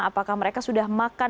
apakah mereka sudah makan